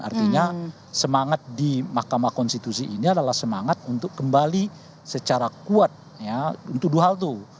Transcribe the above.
artinya semangat di mahkamah konstitusi ini adalah semangat untuk kembali secara kuat untuk dua hal itu